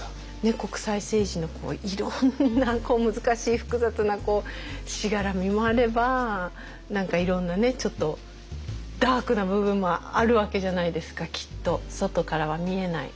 国際政治のいろんな難しい複雑なしがらみもあれば何かいろんなちょっとダークな部分もあるわけじゃないですかきっと外からは見えない